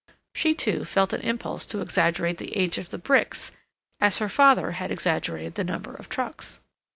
She, too, felt an impulse to exaggerate the age of the bricks, as her father had exaggerated the number of trucks.